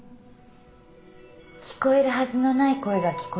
聞こえるはずのない声が聞こえてくる。